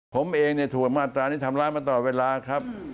ผมเองเนี่ยถูกดังมาตรานี้ทำลายมาตลอดเวลาครับ